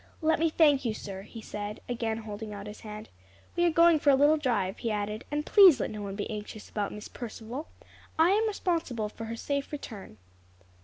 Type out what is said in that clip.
"Let me thank you, sir," he said, again holding out his hand. "We are going for a little drive," he added, "and please let no one be anxious about Miss Percival. I am responsible for her safe return."